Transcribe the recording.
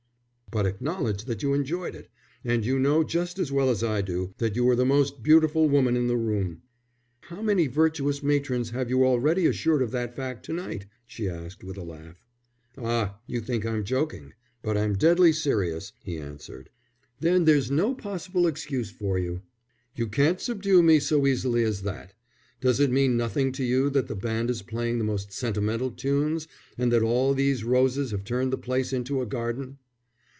"But acknowledge that you enjoyed it. And you know just as well as I do that you were the most beautiful woman in the room." "How many virtuous matrons have you already assured of that fact to night?" she asked, with a laugh. "Ah, you think I'm joking, but I'm deadly serious," he answered. "Then there's no possible excuse for you." "You can't subdue me so easily as that. Does it mean nothing to you that the band is playing the most sentimental tunes and that all these roses have turned the place into a garden?"